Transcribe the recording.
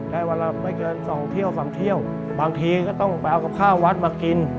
วันละไม่เกินสองเที่ยวสองเที่ยวบางทีก็ต้องไปเอากับข้าววัดมากิน